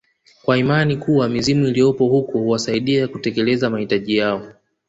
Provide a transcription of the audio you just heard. kwa imani kuwa mizimu iliyopo huko huwasaidia kutekeleza mahitaji yao